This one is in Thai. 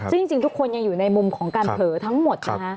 ซึ่งจริงทุกคนยังอยู่ในมุมของการเผลอทั้งหมดนะคะ